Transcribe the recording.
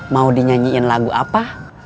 mau dinyanyiin lagu apa